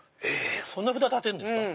そんな札立てんですか？